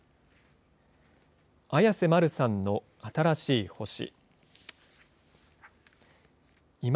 彩瀬まるさんの新しい星。